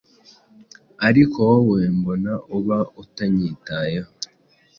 Ariko wowe mbona uba utanyitayeho